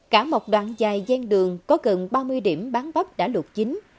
cả một đoạn dài gian đường có gần ba mươi điểm bán bắp đã luộc chính